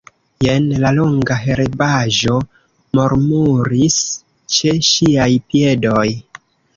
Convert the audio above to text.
Jen la longa herbaĵo murmuris ĉe ŝiaj piedoj.